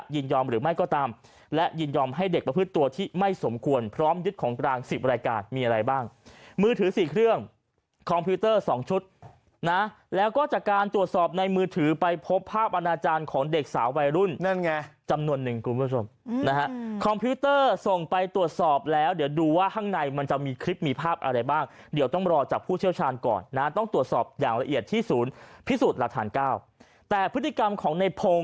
ยินยอมหรือไม่ก็ตามและยินยอมให้เด็กประพฤติตัวที่ไม่สมควรพร้อมยึดของกลางสิบรายการมีอะไรบ้างมือถือสี่เครื่องคอมพิวเตอร์สองชุดนะแล้วก็จากการตรวจสอบในมือถือไปพบภาพอาณาจารย์ของเด็กสาววัยรุ่นนั่นไงจำนวนหนึ่งคุณผู้ชมนะฮะคอมพิวเตอร์ส่งไปตรวจสอบแล้วเดี๋ยวดูว่าข้าง